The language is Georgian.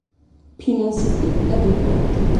ფინანსისტი და დიპლომატი.